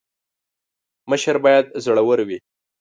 مشر باید زړه ور وي